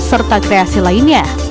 serta kreasi lainnya